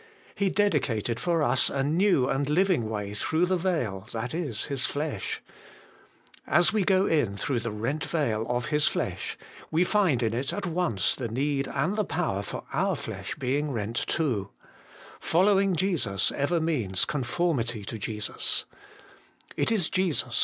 He dedicated for us a new and living way through the veil, that is, His flesh. As we go in through the rent veil of His flesh, we find in it at once the need and the power for our flesh being rent too: THE WAY INTO THE HOLIEST.